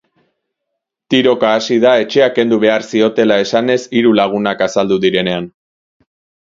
Tiroka hasi da etxea kendu behar ziotela esanez hiru lagunak azaldu direnean.